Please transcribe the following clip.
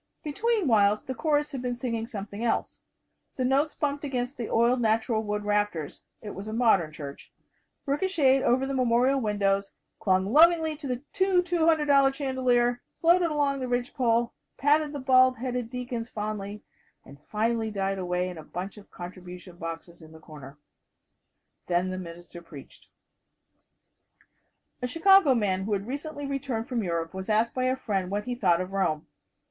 Between whiles the chorus had been singing something else. The notes bumped against the oiled natural wood rafters it was a modern church ricochetted over the memorial windows, clung lovingly to the new $200 chandelier, floated along the ridgepole, patted the bald headed deacons fondly, and finally died away in a bunch of contribution boxes in the corner. Then the minister preached. A Chicago man who has recently returned from Europe was asked by a friend what he thought of Rome.